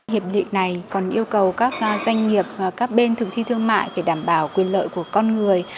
hiệp định này còn yêu cầu các doanh nghiệp các bên thường thi thương mại phải đảm bảo quyền lợi của con người